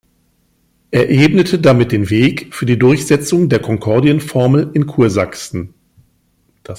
Er ebnete damit den Weg für die Durchsetzung der Konkordienformel in Kursachsen.